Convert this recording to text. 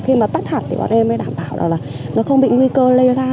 khi mà tắt hạt thì bọn em mới đảm bảo là nó không bị nguy cơ lây ra